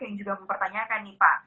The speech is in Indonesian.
yang juga mempertanyakan nih pak